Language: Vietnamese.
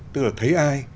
tức là thấy ai